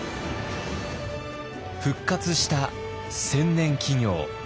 復活した千年企業。